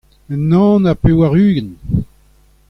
unan ha pevar-ugent.